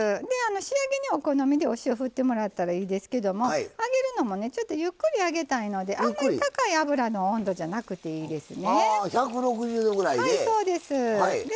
仕上げにお好みで塩を振ってもらったらいいですけども揚げるのもゆっくり揚げたいのであんまり高い温度じゃなくていいですね。